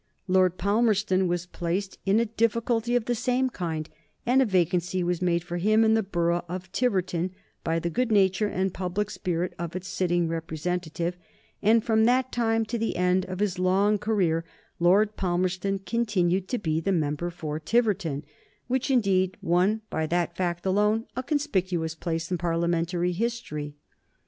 Lord Palmerston was placed in a difficulty of the same kind, and a vacancy was made for him in the borough of Tiverton by the good nature and the public spirit of its sitting representative, and from that time to the end of his long career Lord Palmerston continued to be the member for Tiverton, which indeed won, by that fact alone, a conspicuous place in Parliamentary history.